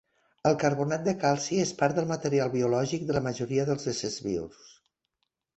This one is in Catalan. El carbonat de calci és part del material biològic de la majoria dels éssers vius.